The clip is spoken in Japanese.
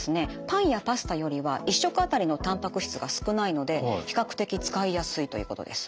パンやパスタよりは１食あたりのたんぱく質が少ないので比較的使いやすいということです。